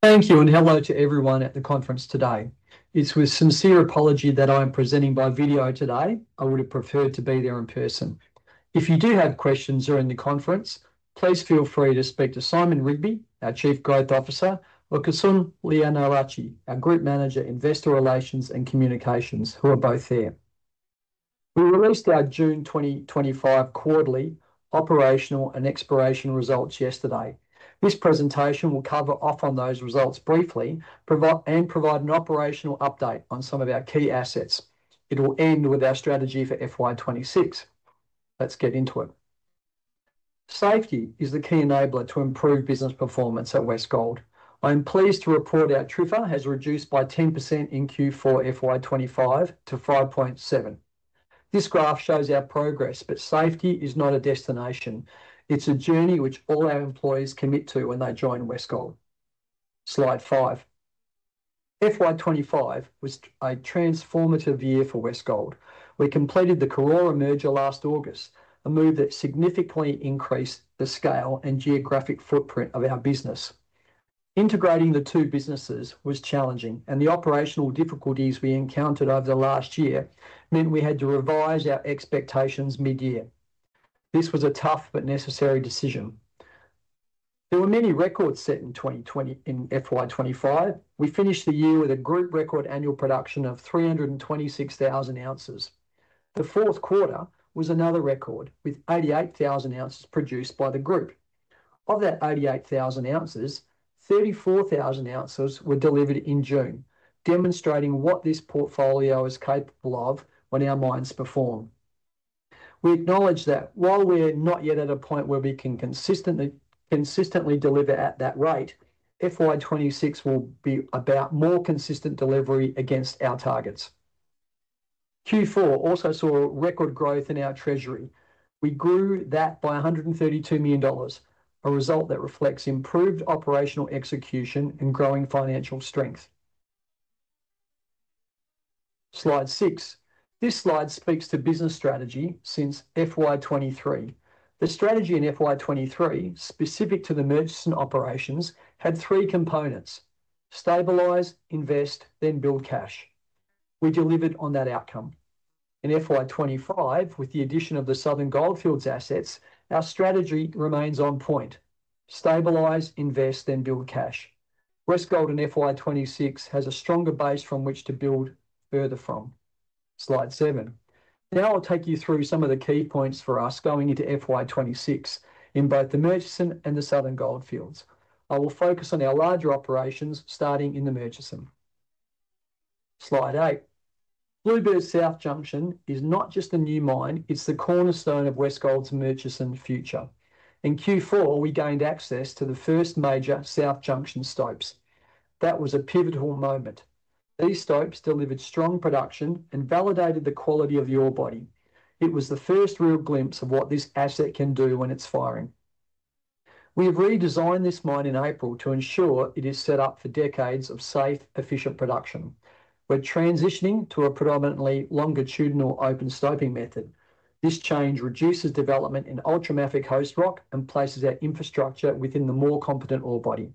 Thank you and hello to everyone at the conference today. It's with sincere apology that I'm presenting by video today. I would have preferred to be there in person. If you do have questions during the conference, please feel free to speak to Simon Rigby, our Chief Growth Officer, or Kusum Liyanarachchi, our Group Manager, Investor Relations and Communications, who are both there. We released our June 2025 quarterly operational and exploration results yesterday. This presentation will cover off on those results briefly and provide an operational update on some of our key assets. It will end with our strategy for FY26. Let's get into it. Safety is the key enabler to improve business performance at Westgold. I'm pleased to report our TRIFR has reduced by 10% in Q4 FY25 to 5.7%. This graph shows our progress, but safety is not a destination. It's a journey which all our employees commit to when they join Westgold. Slide five. FY25 was a transformative year for Westgold. We completed the Karora merger last August, a move that significantly increased the scale and geographic footprint of our business. Integrating the two businesses was challenging, and the operational difficulties we encountered over the last year meant we had to revise our expectations mid-year. This was a tough but necessary decision. There were many records set in 2020 in FY25. We finished the year with a group record annual production of 326,000 ounces. The fourth quarter was another record with 88,000 ounces produced by the group. Of that 88,000 ounces, 34,000 ounces were delivered in June, demonstrating what this portfolio is capable of when our mines perform. We acknowledge that while we're not yet at a point where we can consistently deliver at that rate, FY26 will be about more consistent delivery against our targets. Q4 also saw record growth in our treasury. We grew that by $132 million, a result that reflects improved operational execution and growing financial strength. Slide six. This slide speaks to business strategy since FY23. The strategy in FY23, specific to the Murchison operations, had three components: stabilize, invest, then build cash. We delivered on that outcome. In FY25, with the addition of the Southern Goldfields assets, our strategy remains on point: stabilize, invest, then build cash. Westgold in FY26 has a stronger base from which to build further from. Slide seven. Now I'll take you through some of the key points for us going into FY26 in both the Murchison and the Southern Goldfields. I will focus on our larger operations starting in the Murchison. Slide eight. Bluebird South Junction is not just a new mine, it's the cornerstone of Westgold's Murchison future. In Q4, we gained access to the first major South Junction stopes. That was a pivotal moment. These stopes delivered strong production and validated the quality of the ore body. It was the first real glimpse of what this asset can do when it's firing. We've redesigned this mine in April to ensure it is set up for decades of safe, efficient production. We're transitioning to a predominantly longitudinal open stoping method. This change reduces development in ultramafic host rock and places our infrastructure within the more competent ore body.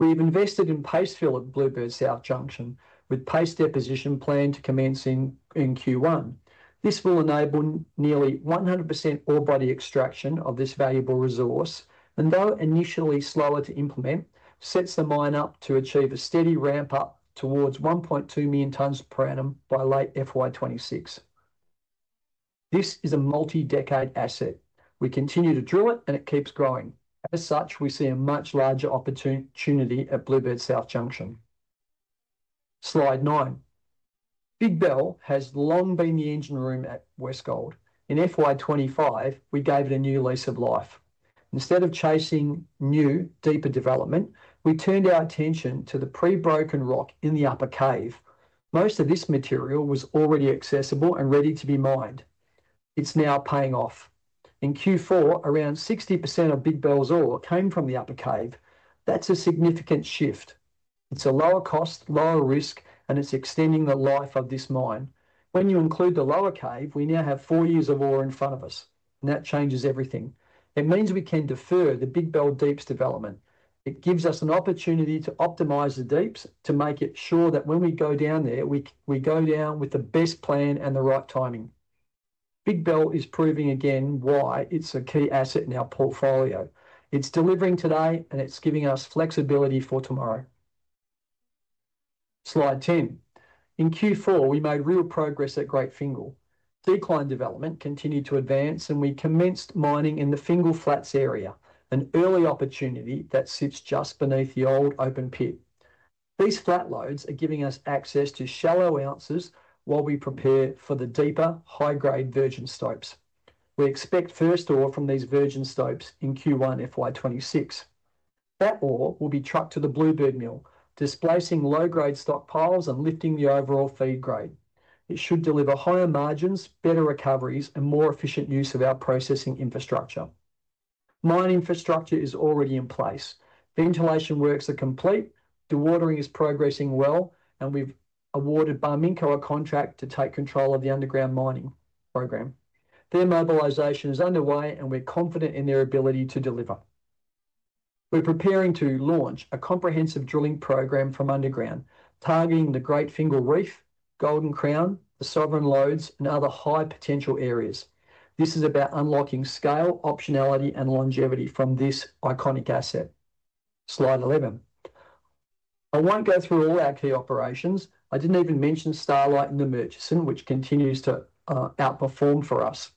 We've invested in paste fill at Bluebird South Junction, with paste deposition planned to commence in Q1. This will enable nearly 100% ore body extraction of this valuable resource, and though initially slower to implement, sets the mine up to achieve a steady ramp-up towards 1.2 million tonnes per annum by late FY26. This is a multi-decade asset. We continue to drill it and it keeps growing. As such, we see a much larger opportunity at Bluebird South Junction. Slide nine. Big Bell has long been the engine room at Westgold. In FY25, we gave it a new lease of life. Instead of chasing new, deeper development, we turned our attention to the pre-broken rock in the upper cave. Most of this material was already accessible and ready to be mined. It's now paying off. In Q4, around 60% of Big Bell's ore came from the upper cave. That's a significant shift. It's a lower cost, lower risk, and it's extending the life of this mine. When you include the lower cave, we now have four years of ore in front of us, and that changes everything. It means we can defer the Big Bell deeps development. It gives us an opportunity to optimize the deeps to make sure that when we go down there, we go down with the best plan and the right timing. Big Bell is proving again why it's a key asset in our portfolio. It's delivering today, and it's giving us flexibility for tomorrow. Slide ten. In Q4, we made real progress at Great Fingall. Decline development continued to advance, and we commenced mining in the Fingall Flats area, an early opportunity that sits just beneath the old open pit. These flat lodes are giving us access to shallow ounces while we prepare for the deeper, high-grade virgin stopes. We expect first ore from these virgin stopes in Q1 FY26. That ore will be trucked to the Bluebird mill, displacing low-grade stockpiles and lifting the overall feed grade. It should deliver higher margins, better recoveries, and more efficient use of our processing infrastructure. Mine infrastructure is already in place. Ventilation works are complete, dewatering is progressing well, and we've awarded a contract to take control of the underground mining program. Their mobilization is underway, and we're confident in their ability to deliver. We're preparing to launch a comprehensive drilling program from underground, targeting the Great Fingall Reef, Golden Crown, the Sovereign Lodes, and other high-potential areas. This is about unlocking scale, optionality, and longevity from this iconic asset. Slide 11. I won't go through all our key operations. I didn't even mention Starlight in the Murchison, which continues to outperform for us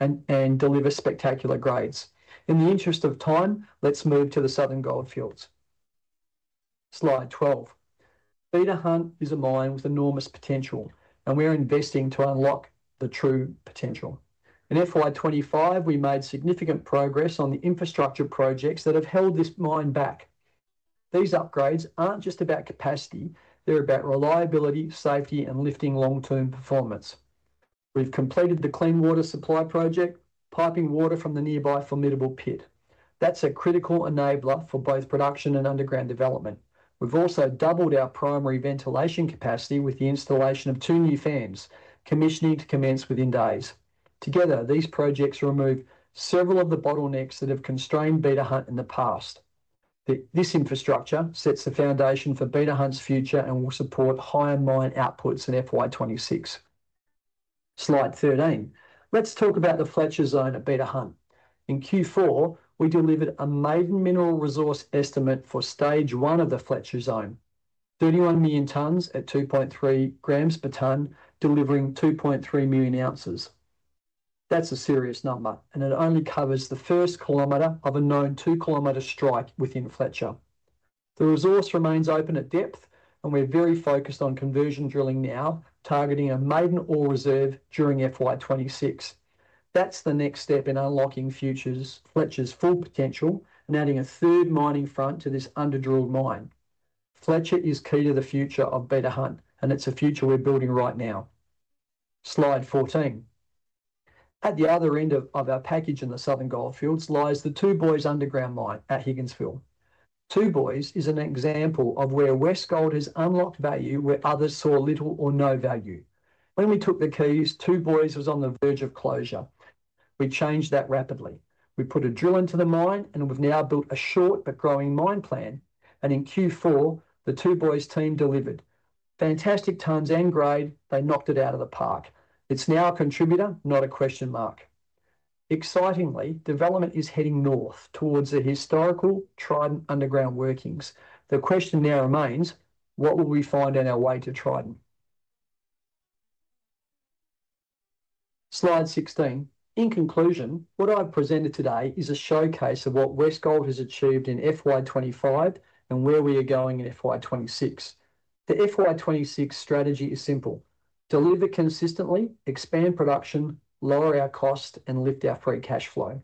and deliver spectacular grades. In the interest of time, let's move to the Southern Goldfields. Slide 12. Beta Hunt is a mine with enormous potential, and we're investing to unlock the true potential. In FY25, we made significant progress on the infrastructure projects that have held this mine back. These upgrades aren't just about capacity, they're about reliability, safety, and lifting long-term performance. We've completed the Clean Water Supply project, piping water from the nearby Formidable pit. That's a critical enabler for both production and underground development. We've also doubled our primary ventilation capacity with the installation of two new fans, commissioning to commence within days. Together, these projects remove several of the bottlenecks that have constrained Beta Hunt in the past. This infrastructure sets the foundation for Beta Hunt's future and will support higher mine outputs in FY26. Slide 13. Let's talk about the Fletcher Zone at Beta Hunt. In Q4, we delivered a maiden mineral resource estimate for stage one of the Fletcher Zone: 3.1 million tonnes at 2.3 grams per ton, delivering 230,000 ounces. That's a serious number, and it only covers the first kilometer of a known two-kilometer strike within Fletcher. The resource remains open at depth, and we're very focused on conversion drilling now, targeting a maiden ore reserve during FY26. That's the next step in unlocking Fletcher's full potential and adding a third mining front to this under-drilled mine. Fletcher is key to the future of Beta Hunt, and it's a future we're building right now. Slide 14. At the other end of our package in the Southern Goldfields lies the Two Boys underground mine at Higginsville. Two Boys is an example of where Westgold Resources has unlocked value where others saw little or no value. When we took the keys, Two Boys was on the verge of closure. We changed that rapidly. We put a drill into the mine, and we've now built a short but growing mine plan. In Q4, the Two Boys team delivered fantastic tons and grade. They knocked it out of the park. It's now a contributor, not a question mark. Excitingly, development is heading north towards the historical Trident underground workings. The question now remains, what will we find on our way to Trident? Slide 16. In conclusion, what I've presented today is a showcase of what Westgold Resources has achieved in FY2025 and where we are going in FY2026. The FY2026 strategy is simple: deliver consistently, expand production, lower our cost, and lift our free cash flow.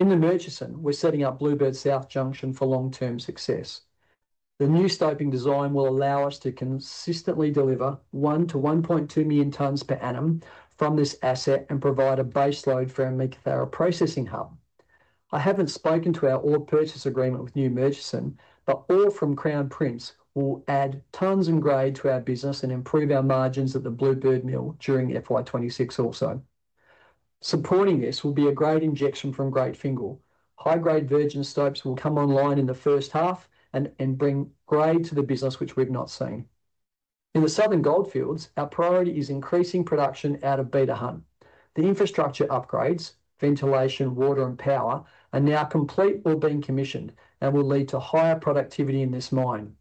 In the Murchison, we're setting up Bluebird South Junction for long-term success. The new stope design will allow us to consistently deliver 1 to 1.2 million tonnes per annum from this asset and provide a base load for our Meekatharra processing hub. I haven't spoken to our ore purchase agreement with Newmurchison, but ore from Crown Prince will add tons and grade to our business and improve our margins at the Bluebird mill during FY2026 also. Supporting this will be a great injection from Great Fingall. High-grade virgin stopes will come online in the first half and bring grade to the business, which we've not seen. In the Southern Goldfields, our priority is increasing production out of Beta Hunt. The infrastructure upgrades: ventilation, water, and power are now complete or being commissioned and will lead to higher productivity in this mine.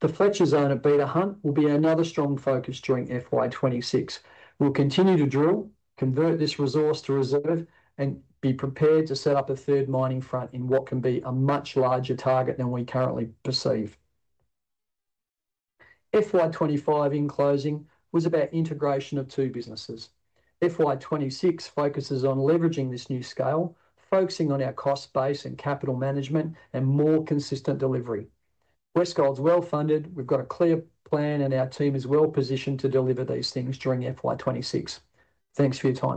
The Fletcher Zone at Beta Hunt will be another strong focus during FY2026. We'll continue to drill, convert this resource to reserve, and be prepared to set up a third mining front in what can be a much larger target than we currently perceive. FY2025 in closing was about integration of two businesses. FY2026 focuses on leveraging this new scale, focusing on our cost base and capital management, and more consistent delivery. Westgold Resources is well-funded. We've got a clear plan, and our team is well-positioned to deliver these things during FY2026. Thanks for your time.